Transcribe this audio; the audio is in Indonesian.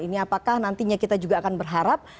ini apakah nantinya kita juga akan berharap